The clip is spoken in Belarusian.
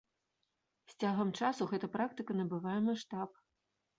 З цягам часу гэта практыка набывае маштаб.